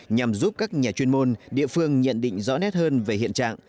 nhằm giúp các nhà chuyên môn địa phương nhận định rõ nét hơn về hiện trạng